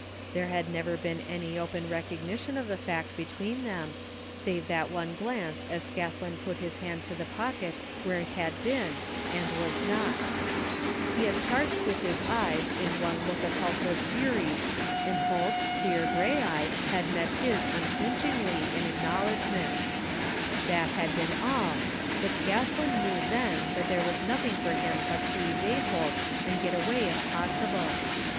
There had never been any open recognition of the fact between them, save that one glance as Scathlin put his hand to the pocket where it had been and was not He had charged with his eyes in one look of helpless fury, and Holt's clear gray eyes had met his tmflinchingly in acknowledgment That had been all, but Scathlin knew then that there was nothing for him but to evade Holt and get away if possible.